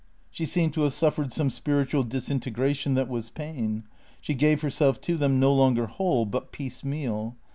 She seemed to have suifered some spiritual disintegration that was pain. She gave herself to them no longer whole, but piecemeal.